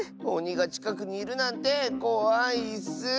おにがちかくにいるなんてこわいッス。